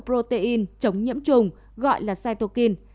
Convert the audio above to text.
protein chống nhiễm trùng gọi là cytokine